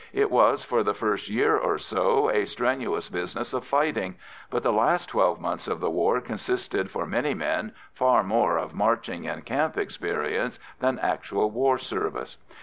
It was, for the first year or so, a strenuous business of fighting, but the last twelve months of the war consisted for many men far more of marching and camp experience than actual war service.